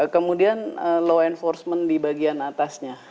kemudian law enforcement di bagian atasnya